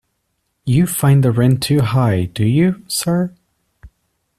You find the rent too high, do you, sir?